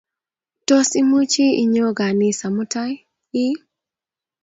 Tos imuchi inyo ganisa mutai ii?